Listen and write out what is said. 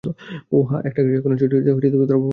ওহ হ্যাঁ এটা গ্রীষ্মকালীন ছুটিতে তোলা, ফোর্ট রুপার্টে।